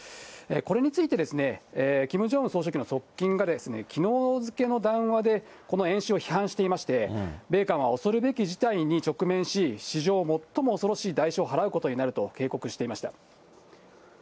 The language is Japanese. これについて、キム・ジョンウン総書記の側近が、きのう付けの談話で、この演習を批判していまして、米韓は恐るべき事態に直面し、史上最も恐ろしい代償を払うことになると警告していました。